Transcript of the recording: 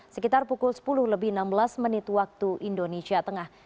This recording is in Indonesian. sekitar pukul sepuluh lebih enam belas menit waktu indonesia tengah